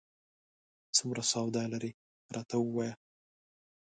څومره سواد لرې، راته ووایه ؟